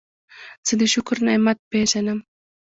زه د شکر نعمت پېژنم.